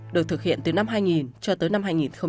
được thực hiện từ năm hai nghìn cho tới năm hai nghìn một mươi sáu